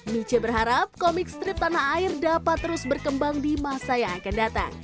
miche berharap komik strip tanah air dapat terus berkembang di masa yang akan datang